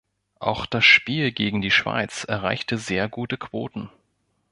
Auch das Spiel gegen die Schweiz erreichte sehr gute Quoten.